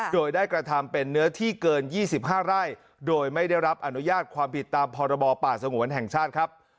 โดยได้กระทำเป็นเนื้อที่เกิน๒๕ไร่โดยไม่ได้รับอนุญาตความผิดตามพรบป่าสงวนแห่งชาติครับ